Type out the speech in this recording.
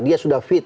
dia sudah fit